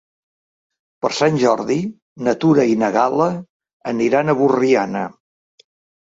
Per Sant Jordi na Tura i na Gal·la aniran a Borriana.